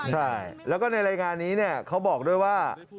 ใช่แล้วก็ในรายงานนี้เขาบอกด้วยว่า